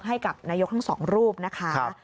ให้กับนายกทั้งสองรูปนะคะ